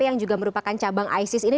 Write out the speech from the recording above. yang juga merupakan cabang isis ini